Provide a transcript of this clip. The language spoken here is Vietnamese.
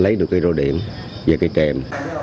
lấy được cái rô điện và cái kèm